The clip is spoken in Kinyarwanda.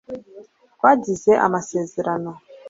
twagize amasezerano